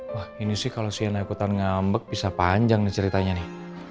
wah ini sih kalau si anak ikutan ngambek bisa panjang nih ceritanya nih